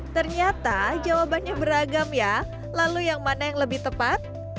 ternyata jawabannya beragam ya lalu yang mana yang lebih tepat